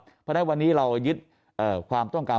เพราะฉะนั้นวันนี้เรายึดความต้องการ